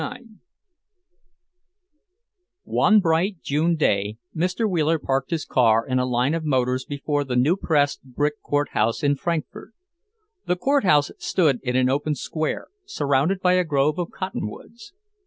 IX One bright June day Mr. Wheeler parked his car in a line of motors before the new pressed brick Court house in Frankfort. The Court house stood in an open square, surrounded by a grove of cotton woods.